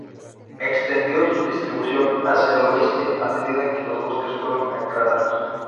Extendió su distribución hacia el oeste a medida que los bosques fueron aclarados.